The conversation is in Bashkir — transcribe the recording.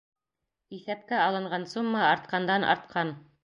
Иҫәпкә алынған сумма артҡандан-артҡан.